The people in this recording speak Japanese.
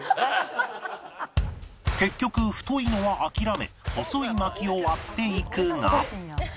結局太いのは諦め細い薪を割っていくが